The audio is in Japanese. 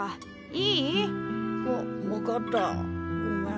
いい？わわかったごめん。